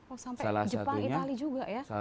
oh sampai jepang itali juga ya